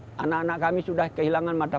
nah anak anak kami sudah kehilangan mata pajak